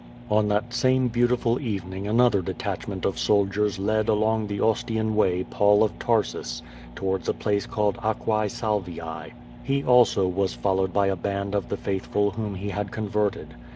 On . that same beautiful evening another detachment of soldiers led along the Ostian Way Paul of Tarsus, towards a place called Aquae Salviae. He also was followed by a band of the faithful whom he had converted.